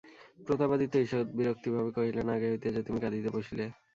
প্রতাপাদিত্য ঈষৎ বিরক্তিভাবে কহিলেন, আগে হইতে যে তুমি কাঁদিতে বসিলে!